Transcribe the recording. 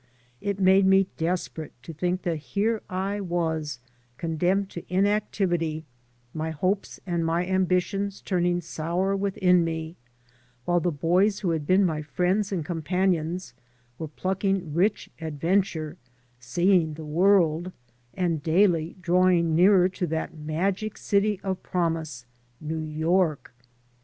It made me desperate to think that here I was condemned to inactivity, my hopes and my ambitions turning sour within me, while the boys who had been my friends and companions were plucking rich adventure, seeing the world, and daily drawing nearer to that magic city of promise, New York.